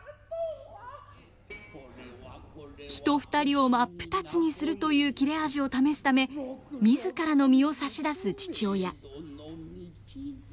人２人を真っ二つにするという切れ味を試すため自らの身を差し出す父親。